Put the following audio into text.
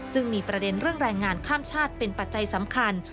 ซึ่งมีประเด็นเรื่องแรงงานข้ามชาติเป็นปัจจัยสำคัญ